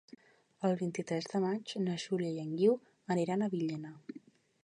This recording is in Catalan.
El vint-i-tres de maig na Júlia i en Guiu aniran a Villena.